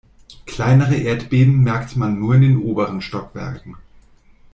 Kleinere Erdbeben merkt man nur in den oberen Stockwerken.